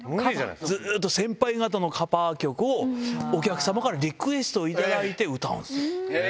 ずーっと先輩方のカバー曲をお客様からリクエスト頂いて歌うんです。